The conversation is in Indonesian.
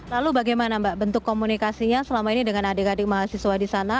lalu bagaimana mbak bentuk komunikasinya selama ini dengan adik adik mahasiswa di sana